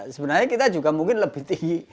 sebenarnya kita juga mungkin lebih tinggi